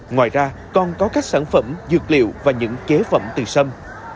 ngoài ra còn có các sản phẩm dược liệu và những chế phẩm từ sâm